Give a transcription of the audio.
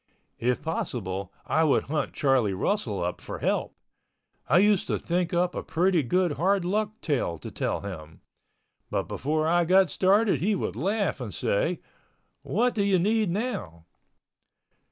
If possible I would hunt Charlie Russell up for help. I used to think up a pretty good hard luck tale to tell him. But before I got started he would laugh and say, "What do you need now?"